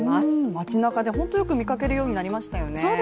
街なかで本当によく見かけるようになりましたよね。